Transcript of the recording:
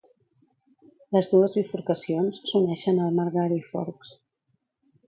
Les dues bifurcacions s'uneixen a Margaree Forks.